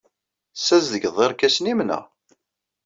Tessazedgeḍ irkasen-nnem, naɣ?